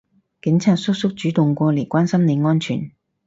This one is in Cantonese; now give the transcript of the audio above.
警察叔叔主動過嚟關心你安全